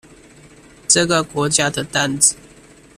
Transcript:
這個國家的擔子